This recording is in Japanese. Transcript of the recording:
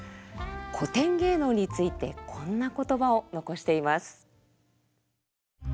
古典芸能についてこんな言葉を残しています。